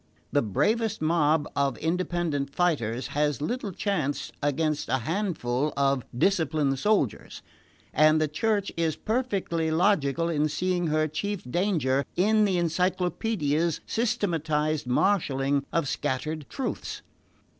The bravest mob of independent fighters has little chance against a handful of disciplined soldiers, and the Church is perfectly logical in seeing her chief danger in the Encyclopaedia's systematised marshalling of scattered truths.